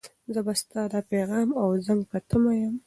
زه به ستا د پیغام او زنګ په تمه یم.